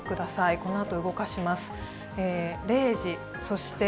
このあと動かします。